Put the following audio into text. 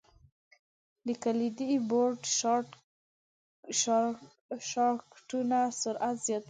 د کلیدي بورډ شارټ کټونه سرعت زیاتوي.